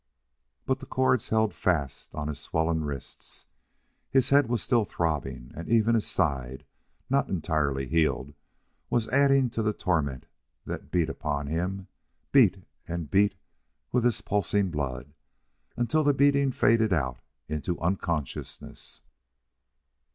But the cords held fast on his swollen wrists. His head was still throbbing; and even his side, not entirely healed, was adding to the torment that beat upon him beat and beat with his pulsing blood until the beating faded out into unconsciousness....